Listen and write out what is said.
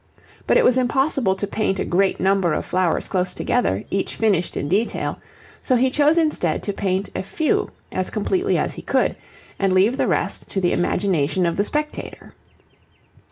But it was impossible to paint a great number of flowers close together, each finished in detail, so he chose instead to paint a few as completely as he could, and leave the rest to the imagination of the spectator.